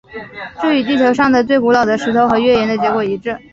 这与地球上的最古老的石头和月岩的结果一致。